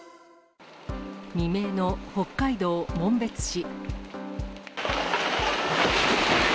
未明の北海道紋別市。